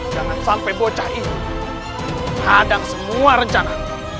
jangan sampai bocah ini kadang semua rencana